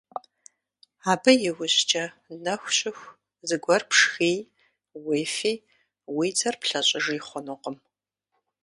Абы и ужькӀэ нэху щыху зыгуэр пшхыи, уефи, уи дзэр плъэщӀыжи хъунукъым.